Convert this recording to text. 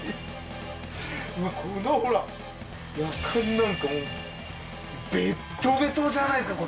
このほらやかんなんかもベットベトじゃないですか。